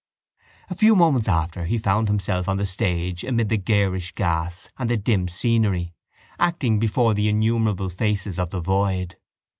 A few moments after he found himself on the stage amid the garish gas and the dim scenery, acting before the innumerable faces of the void.